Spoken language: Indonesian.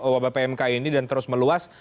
wabah pmk ini dan terus meluas